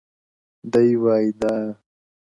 دى وايي دا؛